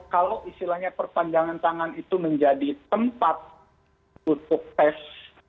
kalau istilahnya perpanjangan tangan itu menjadi tempat untuk tes